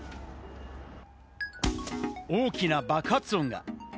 大きな爆発音が。